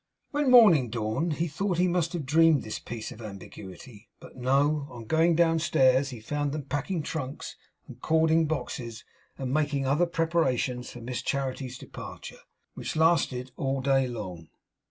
When morning dawned he thought he must have dreamed this piece of ambiguity; but no, on going downstairs he found them packing trunks and cording boxes, and making other preparations for Miss Charity's departure, which lasted all day long.